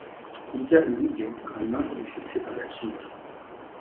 kurya ibiryo kama bifite agaciro